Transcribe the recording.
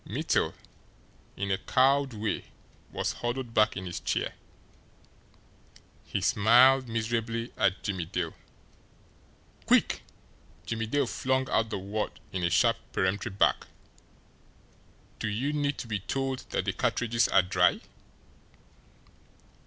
Mittel, in a cowed way, was huddled back in his chair. He smiled miserably at Jimmie Dale. "QUICK!" Jimmie Dale flung out the word in a sharp, peremptory bark. "Do you need to be told that the CARTRIDGES are dry?"